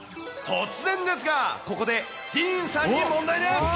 突然ですが、ここでディーンさんに問題です。